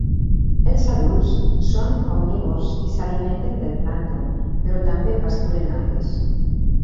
Els adults són omnívors i s'alimenten del plàncton, però també pasturen algues.